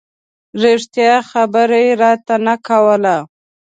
رښتیا خبره یې راته نه کوله.